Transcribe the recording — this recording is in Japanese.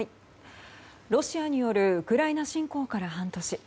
ロシアによるウクライナ侵攻から半年。